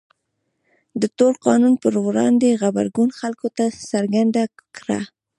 د تور قانون پر وړاندې غبرګون خلکو ته څرګنده کړه.